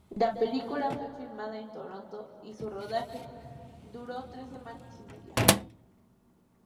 La película fue filmada en Toronto y su rodaje duró tres semanas y media.